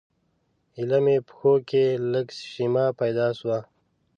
ایله مې پښو کې لږه شیمه پیدا شوه.